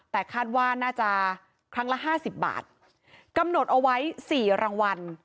แต่คาดว่าน่าจะครั้งละห้าสิบบาทกำหนดเอาไว้สี่รางวัล